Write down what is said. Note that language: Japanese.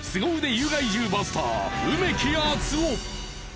有害獣バスター梅木厚生。